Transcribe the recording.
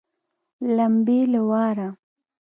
لمبې له واره